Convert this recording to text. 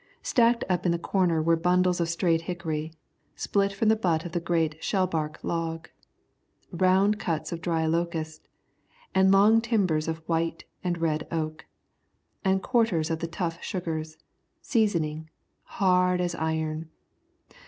Stacked up in the corner were bundles of straight hickory, split from the butt of the great shell bark log; round cuts of dry locust, and long timbers of white and red oak, and quarters of the tough sugars, seasoning, hard as iron.